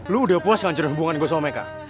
lo udah puas ngancurin hubungan gue sama meka